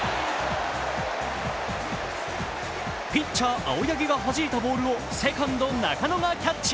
ピッチャー・青柳が弾いたボールをセカンド・中野がキャッチ。